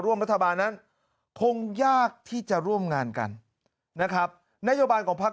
ร่วมรัฐบาลนั้นคงยากที่จะร่วมงานกันนะครับนโยบายของพัก